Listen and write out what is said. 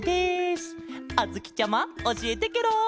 あづきちゃまおしえてケロ。